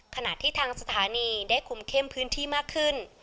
ขณะที่ทางสถานีได้คุมเข้มพื้นที่มากขึ้น